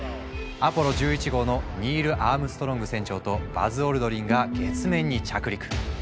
アポロ１１号のニール・アームストロング船長とバズ・オルドリンが月面に着陸。